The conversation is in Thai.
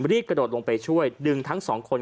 รีบกระโดดลงไปช่วยดึงทั้งสองคน